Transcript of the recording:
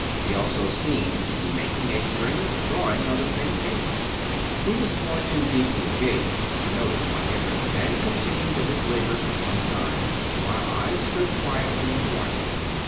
He also seemed to be making % Strange drawing on the same paper. He was far too 240 David P. Abbott deeply engaged to notice my entrance, and continued at his labors for some time, while I stood quietly and watched him.